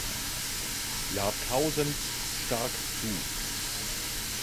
Jahrtausends stark zu.